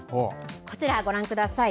こちら、ご覧ください。